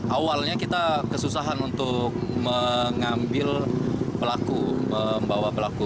awalnya kita kesusahan untuk mengambil pelaku membawa pelaku